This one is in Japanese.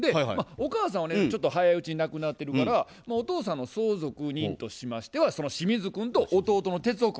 お母さんは早いうちに亡くなってるからお父さんの相続人としましてはその清水君と弟の哲夫君。